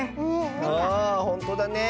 ああほんとだね。